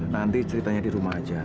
nanti ceritanya di rumah aja